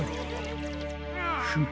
フム。